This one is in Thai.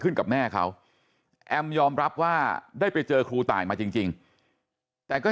กับแม่เขาแอมยอมรับว่าได้ไปเจอครูตายมาจริงแต่ก็